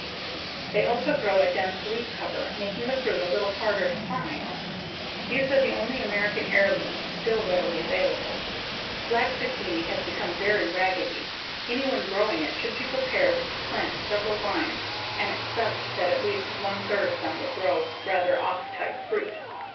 They also grow a dense leaf cover, making the fruit a little harder to find. These are the only American heirlooms still readily available. Black Zucchini has become very raggedy; anyone growing it should be prepared to plant several vines and accept that at least one third of them will throw rather off type fruit.